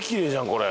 これ。